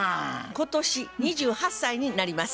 今年２８歳になります。